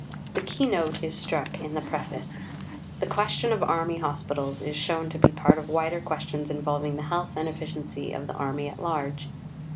The key note is struck in the Preface. The question of Army Hospitals is shown to be part of wider questions involving the health and efficiency of the Army at large.